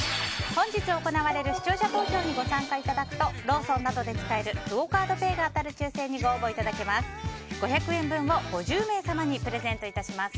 本日行われる視聴者投票にご参加いただくとローソンなどで使えるクオ・カードペイが当たる抽選にご応募いただけます。